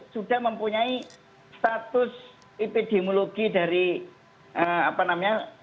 sudah mempunyai status epidemiologi dari apa namanya